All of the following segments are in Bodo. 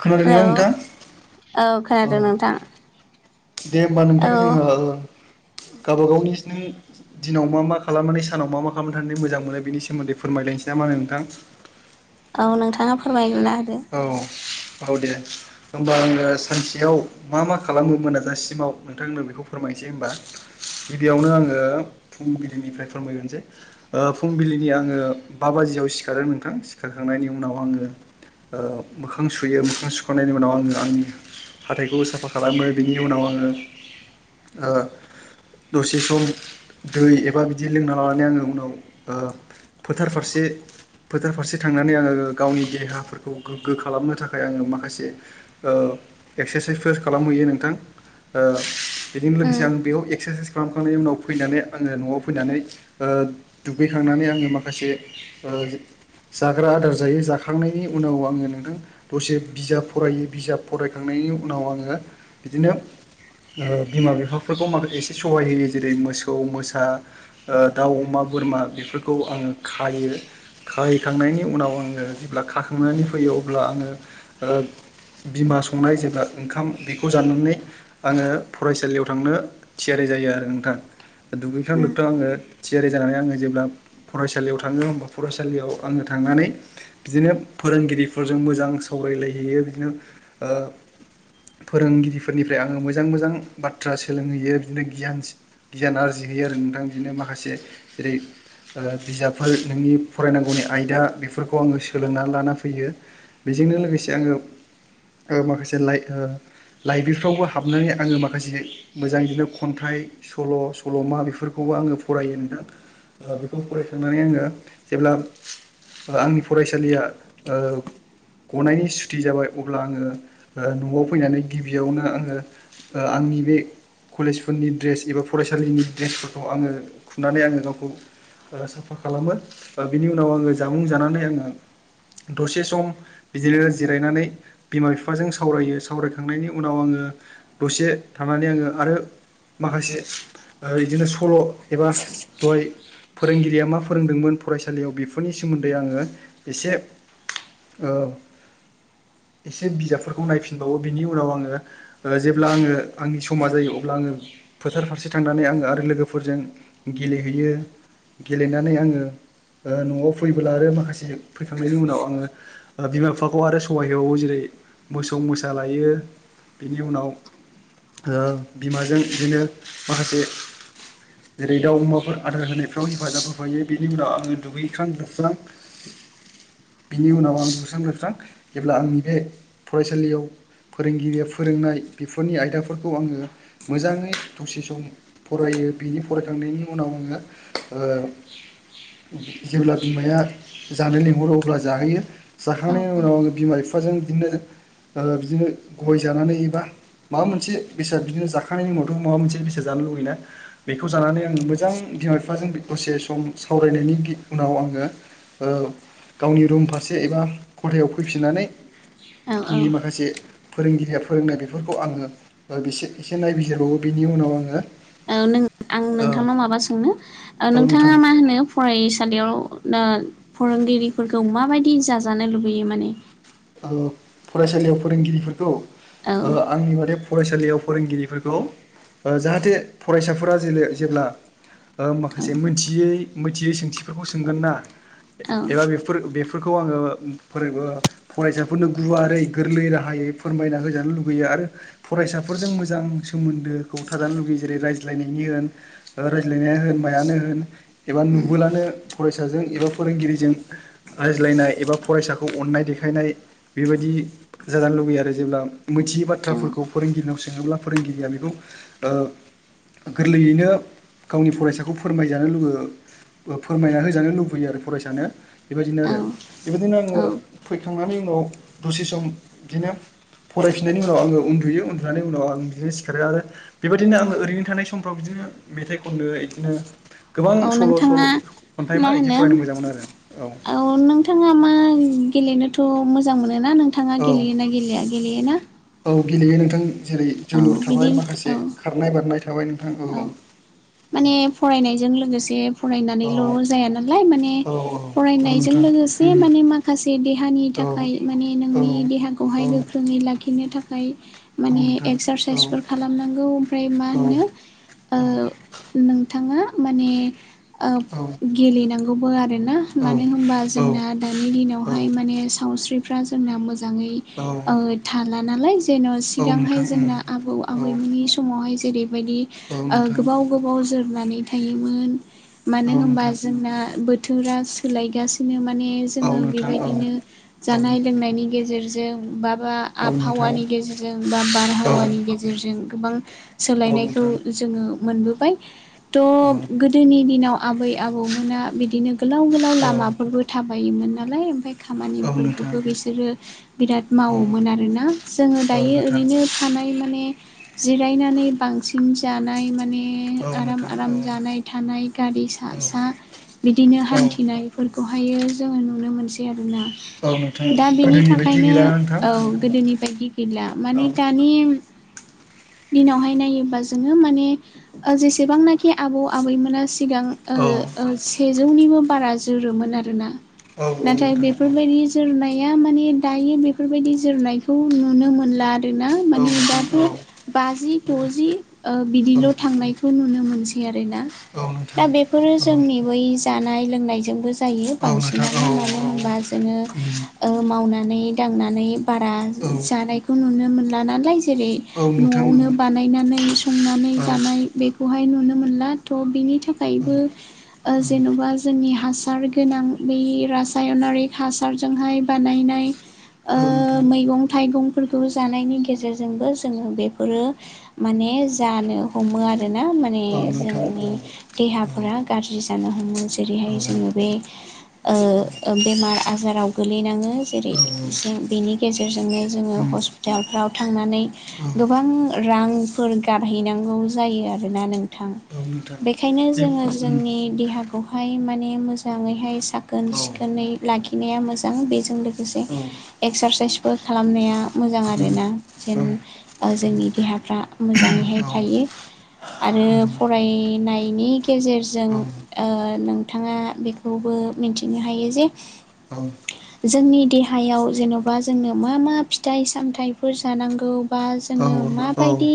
खोनादोंना हेलौ नोंथां औ औ खोनादों नोंथां। दे होमबा नोंथां औ जोङो ओ गावबा गावनि स्नै दिनाव मा मा खालामनानै सानाव मा मा खालामना थानानै मोजां मोनो बेनि सोमोन्दै फोरमायलाय? नोंसिना मा होनो नोंथां? औ नोंथाङा फोरमायग्रोना होदो औ औ दे होमबा आङो सानसेयाव मा मा खालामो मोनाजासिमाव नोंथांनो बेखौ फोरमाय से होमबा गिबियावनो आङो फुंबिलिनिफ्राय फोरमायग्रोनिसै ओ फुंबिलिनि आङो बा बाजि जिआव सिखारो नोंथां सिखारखांनायनि उनाव आङो ओ मोखां सुयो मोखां सुखांनायनि उनाव आङो आंनि हाथाइखौ साफा खालामो बिनि उनाव आङो ओ दसे सम दै एबा बिदि लोंना लानानै आङो उनाव ओ फोथार फारसे फोथार फारसे थांनानै आङो गावनि देहाफोर खौ गोग्गो खालामनो थाखाय आङो माखासे ओ एक्सेसाइसफोर खालामहैयो नोंथां। ओ बेजों उम लोगोसे आङो बेयाव एक्सासाइस खालामखांनायनि उनाव फैनानै आङो न'आव फैनानै ओ दुगैखांनानै आङो माखासे ओ ओ जो जाग्रा आदार जायो जाखांनायनि उनाव आङो नोंथां दसे बिजाब फरायो बिजाब फरायखांनायनि उनाव आङो बिदिनो ओ बिमा-बिफाफोरखौ माबा एसे सहाय होयो जेरै मोसौ मोसा ओ दाउ-अमा बोरमा बेफोरखौ आङो खाहायो खाहैखांनायनि उनाव आङो जेब्ला खाखां खनानै फैयो अब्ला आङो ओ बिमा संनाय जेबा ओंखाम बेखौ जानानै आङो फरायसालियाव थांनो थियारि जायो आरो नोंथां। उम दुगैखां-लोबथां आङो थियारि जानानै आङो जेब्ला फरायसालियाव थाङो होयबा फरायसालियाव आङो थाङ थांनानै बिदिनो फोरोंगिरिफोरजों मोजां सावरायलायहैयो बिदिनो ओ फोरोंगिरिफोरनिफ्राय आङो मोजां-मोजां बाथ्रा सोलोंहैयो बिदिनो गियानस गियान आरजिहैयो आरो नोंथां बिदिनो माखासे जेरै ओ बिजाबफोर नोंनि फरायनांगौनि आयदा बेफोरखौ आङो सोलोंनानै लाना फैयो। बेजोंनो लोगोसे आङो ओ माखासे लाइ ओ लाइब्रिफ्रावबो हाबनानै आङो माखासे मोजां बिदिनो खन्थाइ सल' सल'मा बेफोरखौबो आङो फरायो नोंथां ओ बेखौ फरायखांनानै आङो जेब्ला आंनि फरायसालिया औ। गनायनि सुथि जाबाय अब्ला आङो ओ न'आव फैनानै गिबियावनो आङो ओ आंनि बे कलेजफोरनि ड्रेस एबा फरायसालिनि ड्रेसफोरखौ आङो खुनानै आङो गावखौ ओ साफा खालामो बिनि उनाव आङो जामुं जानानै आङो दसे सम बिदिनो जिरायनानै बिमा बिफाजों सावरायो। सावरायखांनायनि उनाव आङो दसे थानानै आङो आरो माखासे ओ इदिनो सल' एबा दहाय फोरोंगिरिया मा फोरोंदोंमोन फरायसालियाव बेफोरनि सोमोन्दै आङो एसे औ [inaudible] एसे बिजाबफोरखौ नायफिनबावो बिनि उनाव आङो जेब्ला आङो आंनि समा जायो अब्ला आङो फोथार फारसे थांनानै आङो आरो लोगोफोरजों गेलेहैयो । गेलेनानै आङो ओ न'आव फैबोला आरो माखासे फैखांनायनि उनाव आङो बिमा बिफाखौ आरो सहाइ होबावो जेरै मोसौ मोसा लायो। बिनि उनाव ओ बिमाजों बिदिनो माखासे जेरै दाउ, अमाफोर आदार होनायफ्राव हेफाजाब होफायो बेनि उनाव आङो दुगैखां लोबस्रां । [inaudible] बिनि उनाव आं दुगैस्रां-लोबस्रां जेब्ला आंनि बे फरायसालियाव फोरोंगिरिया फोरोंनाय बेफोरनि आयदाफोरखौ आङो मोजाङै दसे सम फरायो बिनि फरायखांनायनि उनाव आङो ओ जेब्ला बिमाया जानो लेंहरो अब्ला जाहोयो औ जाखांनायनि उनाव औ आङो बिमा बिफाजों बिदिनो ओ बिदिनो गय जानानै एबा माबा मोनसे बेसाद बिदिनो जाखांनायनि उनावथ' माबा मोनसे बेसाद जानो लुुबैना बेखौ जानानै आं मोजां बिमा-बिफाजों दसे सम सावरायनायनि उनाव आङो ओं गावनि रुम फारसे एबा खथायाव फैफिननानै औ औ आंनि माखासे फोरोंगिरिया फोरोंनाय बेफोरखौ आङो बेसे एसे नायबिजिरबावो बिनि उनाव आङो ओ आं नोंथांनाव माबा सोंनो औ नोंथां नोंथाङा मा होनो फरायसालियाव ना फोरोंगिरिफोरखौ माबायदि जाजानो लुबैयो माने? औ फरायसालियाव फोरोंगिरिफोरखौ औ आंनि बादै फरायसालियाव फोरोंगिरिफोरखौ ओ जाहाथे फरायसाफोरा जेरै जेब्ला ओ औ माखासे मिथियै मिथियै सोंथिफोरखौ सोंगोन ना औ एबा बे बेफोरखौ आङो फोरैबो फरायसाफोरनो गुवारै गोरलै राहायै फोरमायना होजानो लुुबैयो आरो फरायसाफोरजों मोजां। सोमोन्दोखौ थाजानो लुबैयो जेरै रायज्लायनायनि होन रायज्लायनाया मायानो होन एबा। उम नुबोलानो फरायसाजों एबा फोरोंगिरिजों रायज्लायनाय एबा फरायसाखौ अननाय देखाय। देखायनाय बेबादि जानो लुबैयो आरो जेब्ला मोनथियै औ बाथ्राफोरखौ फोरोंगिरिनाव सोङोब्ला फोरों--। गिरिया बेखौ ओ। गोरलैयैनो गावनि फरायसाखौ फोरमायजानो लुुगो। फोरमायनानै होजानो लुबैयो आरो फरायसानो बेबायदिनो आरो औ बेबायदिनो आङो। औ फैखांनायनि उनाव दसे सम बिदिनो। फरायफिननायनि उनाव आङो उन्दुयो उन्दुनायनि उनाव आं बिदिनो सिखारो आरो बेबायदिनो आंङो ओरैनो थानाय समफ्राव बिदिनो। नो मेथाइ खननो इदिनो। औ नोंथाङा मा होनो फरायनो मोजां मोनो आरो औ नोंथाङा मा गेलेनो। थ' मोजां मोनोना नोंथाङा औ गेलेयोना गेलेया गेलेयोना? औ गेलेयो नोंथां जेरै औ जोलुर बिदि थाबाय माखासे औ खारनाय बारनाय थाबाय नोंथां औ। माने फरायनायजों लोगोसे। औ फरायनानैल' जाया नालाय माने औ औ फरायनायजों नोंथां लोगोसे उम माने माखासे देहानि। औ थाखाय माने औ नोंनि औ देहाखौहाय गोख्रोङै लाखिनो था--। खाय औ माने नोंथां औ एक्सारसाइसफोर खालामनांगौ ओमफ्राय मा औ होनो औ ओ। नोंथाङा माने गेलेनांगौबो आरो। ना औ मानो होमबा जोंना औ दानि दिनावहाय माने सावस्रिफ्रा जोंना मो-। जाङै औ ओ थाला नालाय। जेन' औ सिगांहाय नोंथां जोंना उम आबौ औ आबैमोननि समावहाय जेरैबायदि औ ओ नोंथां गोबाव। गोबाव जोरनानै थायोमोन मानो औ होनबा नोंथां जोंना बोथोरा सोलायगासिनो मा ने औ जोङो नोंथां औ बेबायदिनो औ जानाय लोंनायनि गेजेरजों बा। बा औ नोंथां आबहावानि गेजेरजों बा औ नोंथां औ बारहावानि गेजेरजों गोबां। औ नोंथां औ नोंथां औ नोंथां औ सोलायनायखौ जोङो मोनबोबाय औ थ' नोंथां गोदोनि दिनाव। आबै आबौमोना बिदिनो गोलाव गोलाव लामाफोरबो थाबायोमोन नालाय ओमफाय। खामानिफोरखौबो बिसोरो बिराद मावोमोन आरोना जोङो दायो ओरैनो था। नाय माने जिरनानै बांसिन जानाय माने। ने आराम आराम जानाय थानाय गारि सा सा। बिदिनो हान्थिनायफोरखौहायो जोङो नुनो मोनसै आरोना? गोदोनि दा बेनि बायदि थाखायनो गैला नोंथां औ गोदोनि बायदि गैला माने औ दानि। [inaudible] दिनावहाय नायोबा जोङो माने जेसेबांनाखि आबौ आबैमोना। सिगां ओ औ ओ सेजौनिबो बारा जोरोमोन आरोना। औ नाथाय नोंथां औ बेफोरबायदि जोरनाय। नाया माने दायो बेफोरबायदि जोरनायखौ नुनो मोनला। आरोना औ माने दाथ' नोंथां बाजि दजि ओ बिदिल'। औ औ इखौ नुनो मोनसै आरोना औ नोंथां दा बेफोरो औ जोंनि बै जानाय लोंनायजोंबो। जायो औ नोंथां औ बांसिनानो मानो औ होनबा जोङो उम ओ मावनानै दांनानै। बारा औ जानायखौ नुनो मोनला नालाय। जेरै औ नोंथां औ न'आवनो बानायनानै सं औ जानाय बेखौहाय। नुनो मोन बिनि औ थाखायबो औ जेनबा जोंनि हा हासार गोनां बे रासायनारि हासारजोंहाय बानायनाय। औ ओ नोंथां मैगं थाइगं। फोरखौ जानायनि गेजेरजोंबो जोङो बेफोरो माने जानो हमो आरोना माने औ नोंथां औ जोंनि औ देहाफोरा गाज्रि जानो हमो जेरैहाय जोङो बे। ओ ओ बेमार आजाराव गोलैनाङो जेरै औ जों बेनि गेजेरजोंनो जों। ङो उम हस्पिटालफ्राव थांनानै औ गोबां रां। फोर गारहैनांगौ जायो आरोना नोंथां। औ नोंथां थां बेखायनो बे जोङो उम जोंनि देहाखौहाय माने मोजाङैहाय। साखोन औ उम औ उम औ सिखोनै लाखिनाया मोजां बेजों लोगोसे एक्सारसाइस बो खालामनाया मोजां आरो ना जेन ओ जोंनि देहाफ्रा मोजाङैहाय औ थायो। आरो फरायनायनि गेजेरजों औ ओ नों थाङा बेखौबो मिनथिनो हायो जे औ। जोंनि देहायाव जेन'बा जोंनो मा मा फिथाइ सामथाइफोर जानांगौ बा जोङो माबायदि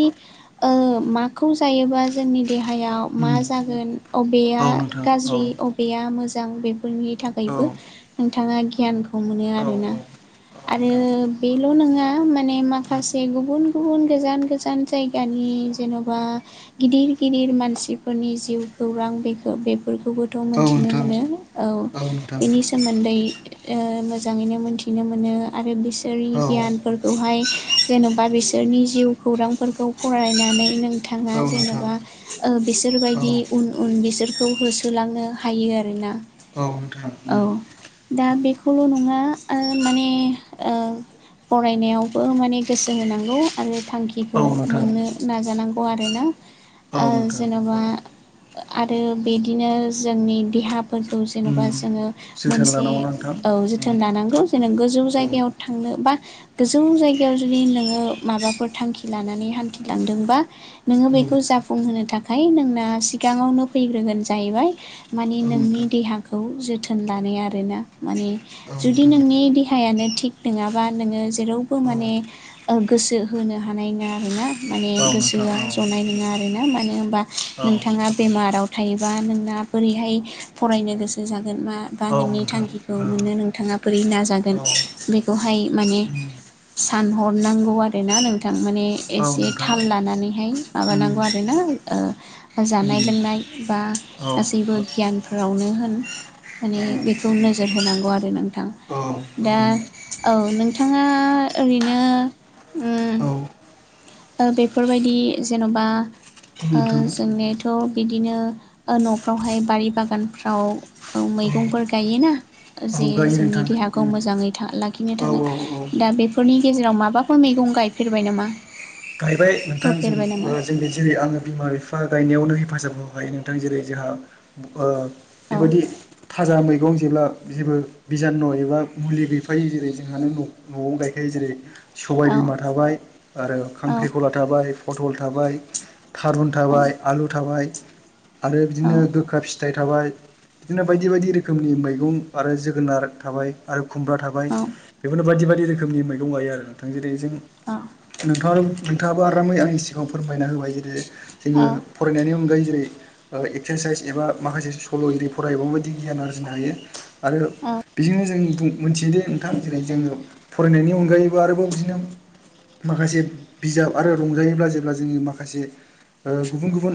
ओ मा खौ जायोबा जोंनि देहायाव मा उम जागोन अबेया औ नोंथां औ गाज्रि अबेया मो मोजां बेफोरनि थाखायबो औ नोंथाङा गियानखौ मोनो आरो ना। आरो बेल' नङा माने माखासे गुबुन गुबुन गोजान गोजान जायगानि नि जेन'बा गिदिर गिदिर मानसिफोरनि जिउ खौरां बेखौ बे फोरखौबोथ' औ नोंथां औ मोनथिनो नोंथां मोनो औ बेनि सोमोन्दै ओ मोजाङैनो मोनथिनो मोनो आरो बिसोरनि औ गियानफोरखौहाय जेन'बा बि बिसोरनि जिउ खौरांफोरखौ फरायनानै नों थाङा औ नोंथां जेनेबा ओ औ बिसोरबायदि उन उन बिसोरखौ होसोलांनो हायो आरो ना औ नोंथां औ उम दा बेखौल' नङा ओ माने ओ फरायनायावबो माने गोसो होनांगौ आरो औ थांखिखौ नोंथां मोननो नाजानां गौ आरो ना औ ओ नोंथां जेन'बा औ आरो बेदिनो जोंनि देहाफोरखौ जेन'बा उम जोङो जोथोन मोनसे लानांगौ ना नोंथां औ जोथोन लानांगौ जेने गो जौ उम जायगायाव औ थांनो बा गोजौ जायगायाव जुदि नोङो माबाफोर थांखि लानानै हान्थि लांदोंबा नोङो औ बेखौ जाफुंहोनो थाखाय नोंना सिगाङावनो फैग्रोगोन जाहैबाय मानि औ नोंनि नोंथां देहाखौ जोथोन लानाय आरो ना माने औ जुदि नोंथां नोंनि देहायानो थिग नङा बा नोङो जेरावबो औ माने ओ गोसो होनो हानाय नङा आरो ना माने औ नोंथां ओआ औ ज'नाय नङा आ रो ना मानो होनबा औ नोंथाङा बेमाराव थायोबा नोंना बोरैहाय फरायनो गोसो जा गोन मा बा औ नोंनि नोंथां थांखिखौ औ मोननो नोंथाङा बोरै नाजागोन औ बेखौहाय माने उम सानहरनांगौ आरो ना नोंथां। माने औ नोंथां एसे उम औ उम औ नोंथां थाल लानानै हाय‌ माबानांगौ आरो ना ओ जानाय लोंनाय बा गासैबो गियान फोरावनो होन माने बेखौ नोजोर होनांगौ आरो नोंथां। दा औ नोंथाङा ओरैनो उम ओ बेफोरबायदि जेन'बा ओ जोंनि थ' बिदिनो ओ न'फ्रावहाय बारि बागानफ्राव औ मैगंफोर गायो ना जे औ गायो जोंनि नोंथां देहाखौ उम मोजाङै था लाखिनो औ थाखाय। औ औ दा बेफोरनि गेजेराव माबाफोर मैगं गायफेरबाय नामा? गायबाय नोंथां जों फोफेरबाय नामा ओ जोंनि जेरै आङो बिमा बिफा गायनायावनो हेफाजाब हो बाय नोंथां जेरै जोंहा ओ औ बेबायदि थाजा मै गं जेब्ला जेबो बिजाननु एबा मुलि गैफायै जेरै जोंहानो नख न'आव गायखायो जेरै सबाय औ बिमा थाबाय आरो औ खांख्रिखला थाबाय, पटल थाबाय, थारुन औ थाबाय, आलु थाबाय आरो बिदिनो औ गोखा फि थाइ थाबाय बिदिनो बायदि बायदि रोखोमनि मैगं आरो जोगोनार थाबाय आरो खुमब्रा थाबाय औ बेफोरनो बायदि बायदि रोखोमनि मैगं गायो आरो नोंथां। जेरै जों नोंथां नोंथाङाबो आरामै आंनि सिगाङाव फोरमायना होबाय जेरै जोङो औ फरायनायनि अनगायै जेरै ओ एक्सारसाइस एबा माखासे सल' [unintelligible] फरायोबा माबायदि गियान आरजिनो हायो आरो औ बेजोंनो जों बुं मोनथियो दि नोंथां जेरै जोङो फरायनायनि अनगायैबो आरोबाव बिदिनो माखासे बिजाब आरो रंजायोब्ला जेब्ला जोंनि माखासे ओ गुबुन गुबुन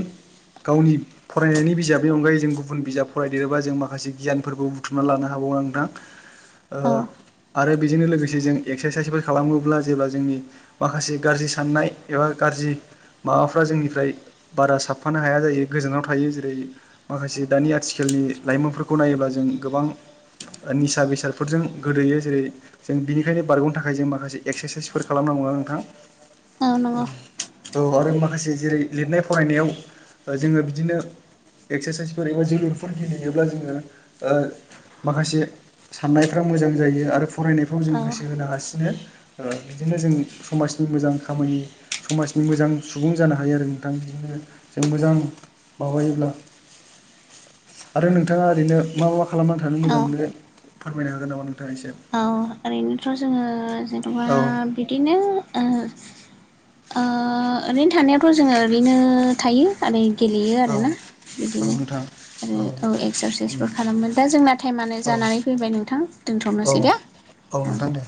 गावनि फरायनायनि बिजाबनि अनगायै जों गुबुन बिजाब फरायदेरोबा जों माखासे गियानफोरखौ बुथुमनानै लानो हागौ। नोंथां औ आरो बेजोंनो लोगोसे जों एक्सारसाइसफोर खालामोब्ला जेब्ला जोंनि माखासे गाज्रि साननाय एबा गाज्रि माबाफ्रा जोंनिफ्राय बारा साबफानो हाया जायो गोजानाव थायो जेरै माखासे दानि आथिखालाव लाइमोनफोरखौ नायोब्ला जों गोबां निसा बेसादफोरजों गोदोयो जेरै जों बिनिखायनो बारग'नो थाखाय जों माखासे एक्सारसाइसफोर खालामनांगौ। दङ नोंथां आ नंगौ औ आरो माखासे जेरै लिरनाय फरायनायाव जोङो बिदिनो एक्सारसाइसफोर एबा जोलुरफोर गेलेयोब्ला जोङो माखासे साननायफ्रा मोजां जायो आरो। फरायनायफ्राव जों औ गोसो होनो हासिनो बिदिनो जों समाजनि मोजां खामानि समाजनि मोजां सुबुं जानो हायो आरो नोंथां बिजोंनो जों मोजां माबायोब्ला आरो नोंथाङा ओरैनो मा मा खालामनानै थानो मोजां औ मोनो फोरमायनो हागोन नामा? नोंथाङा एसे? औ ओरैनोथ' जोङो जेन'बा औ बिदिनो ओरैनो थानायावथ' जोङो बिदिनो थायो आरो गेलेयो औ आरोना औ बिदिनो नोंथां आरो औ एक्सारसाइसबो खालामो दा जोंना टाइमानो औ जानानै फैबाय नोंथां दोनथ'नोसै। औ दे औ नोंथां दे।